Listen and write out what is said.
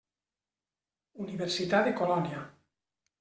Universitat de Colònia.